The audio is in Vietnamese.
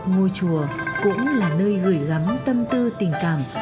ngôi chùa cũng là nơi gửi gắm tâm tư tình cảm